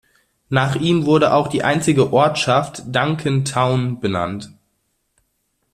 Nach ihm wurde auch die einzige Ortschaft, Duncan Town, benannt.